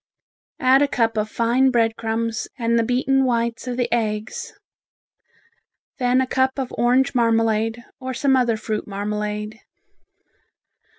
Add a cup of fine bread crumbs and the beaten whites of the eggs; then a cup of orange marmalade, or some other fruit marmalade.